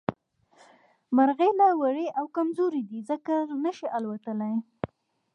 مرغۍ لا وړې او کمزورې دي ځکه نه شي اوتلې